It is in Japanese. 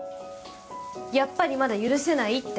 やっぱりまだ許せないって。